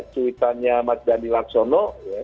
cuitannya mas dhani laksono